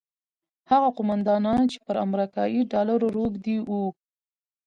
هغه قوماندانان چې پر امریکایي ډالرو روږدي وو.